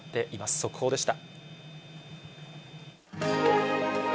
速報でした。